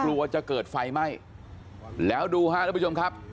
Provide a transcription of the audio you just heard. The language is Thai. กลัวจะเกิดไฟไหม้แล้วดูฮะทุกผู้ชมครับ